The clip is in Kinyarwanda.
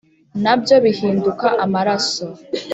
na byo bihinduka amaraso.